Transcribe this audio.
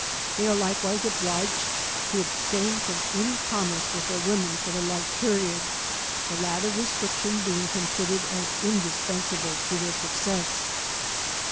They are likewise obliged to abstain from any com merce with their women for the like period, the latter restriction being considered as indispensible to their success.